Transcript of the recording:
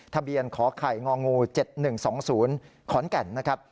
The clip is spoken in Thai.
ทะเบียนขอไข่งองู๗๑๒๐ขอนแก่นนะครับ